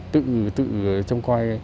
tự trông coi